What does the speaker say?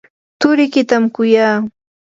turikitam kuyaa.